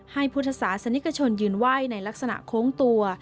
พุทธศาสนิกชนยืนไหว้ในลักษณะโค้งตัว